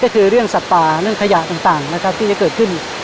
ก็คือเรื่องสัตว์ป่าเรื่องขยะต่างนะครับที่จะเกิดขึ้น